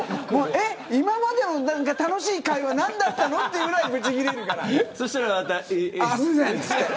今までの楽しい会話、何だったのというぐらいぶちギレるから。